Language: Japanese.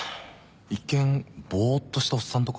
一見ぼっとしたおっさんとか？